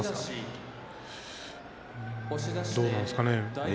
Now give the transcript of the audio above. どうなんですかね。